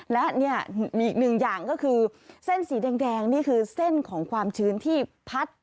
และเนี่ยอีกหนึ่งอย่างก็คือเส้นสีแดงนี่คือเส้นของความชื้นที่พัด